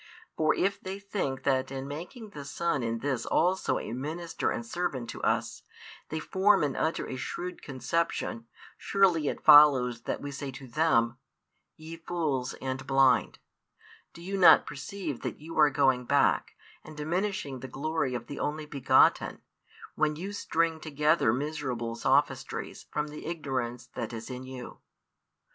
For if they think that in making the Son in this also a minister and servant to us, they form and utter a shrewd conception, surely it follows that we say to them: Ye fools and blind; do you not perceive that you are going back, and diminishing the glory of the Only begotten, when you string together miserable sophistries from the ignorance that is in you?